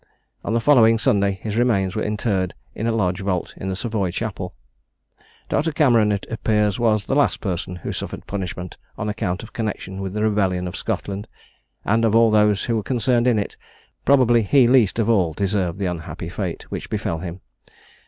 On the following Sunday, his remains were interred in a large vault in the Savoy chapel. Dr. Cameron, it appears, was the last person who suffered punishment on account of connection with the rebellion of Scotland; and of all those who were concerned in it, probably he least of all deserved the unhappy fate which befel him.